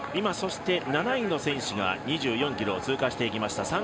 ７位の選手が２４ｋｍを通過していきました。